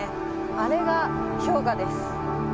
あれが氷河です